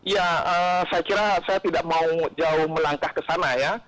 ya saya kira saya tidak mau jauh melangkah ke sana ya